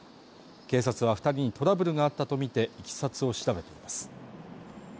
警察は二人にトラブルがあったとみていきさつを調べています